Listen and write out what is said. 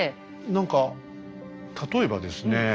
何か例えばですね